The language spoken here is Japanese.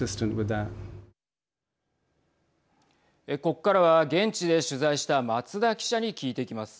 ここからは現地で取材した松田記者に聞いていきます。